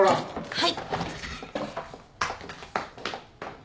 はい。